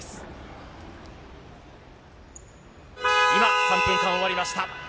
今、３分間が終わりました。